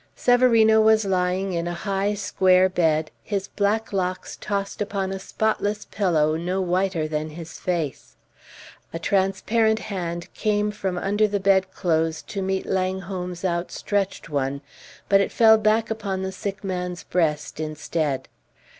Severino was lying in a high, square bed, his black locks tossed upon a spotless pillow no whiter than his face; a transparent hand came from under the bedclothes to meet Langholm's outstretched one, but it fell back upon the sick man's breast instead.